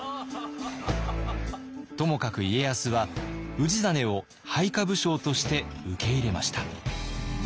ともかく家康は氏真を配下武将として受け入れました。